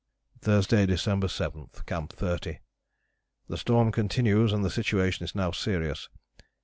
" "Thursday, December 7. Camp 30. The storm continues and the situation is now serious.